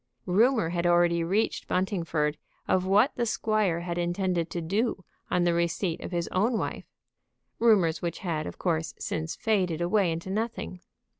Rumor had already reached Buntingford of what the squire had intended to do on the receipt of his own wife, rumors which had of course since faded away into nothing.